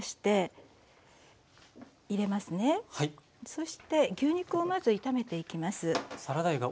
そして牛肉をまず炒めていきます。